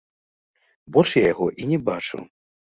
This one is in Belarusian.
Больш я яго і не бачыў.